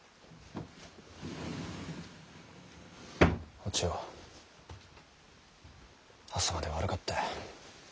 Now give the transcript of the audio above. お千代朝まで悪かった。